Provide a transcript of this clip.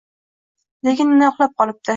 Lekin yana uxlab qolibdi.